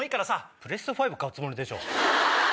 プレステ５買うつもりでしょ。